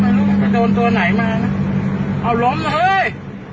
ไม่รู้มันจะโดนตัวไหนมานะเอาล้มเห้ย